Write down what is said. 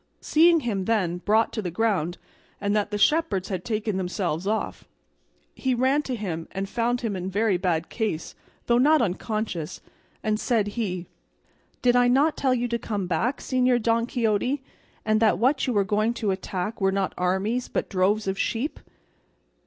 Seeing him, then, brought to the ground, and that the shepherds had taken themselves off, he ran to him and found him in very bad case, though not unconscious; and said he: "Did I not tell you to come back, Señor Don Quixote; and that what you were going to attack were not armies but droves of sheep?"